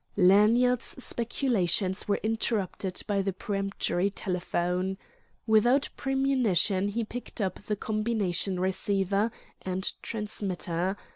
Lanyard's speculations were interrupted by the peremptory telephone. Without premonition he picked up the combination receiver and transmitter.